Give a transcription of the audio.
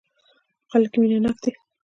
خلک يې مينه ناک دي.